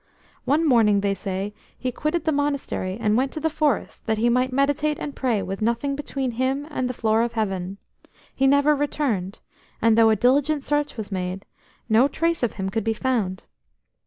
One morning, they say, he quitted the Monastery and went to the forest that he might meditate and pray with nothing between him and the floor of Heaven. He never returned, and though a diligent search was made, no trace of him could be found.